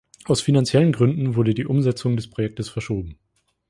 Aus finanziellen Gründen wurde die Umsetzung des Projektes verschoben.